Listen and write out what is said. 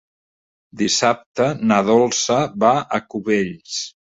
Dissabte na Dolça va a Cubells.